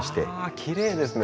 あきれいですね。